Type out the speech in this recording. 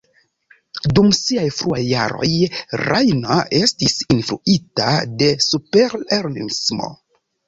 Dum siaj fruaj jaroj, Rainer estis influita de Superrealismo.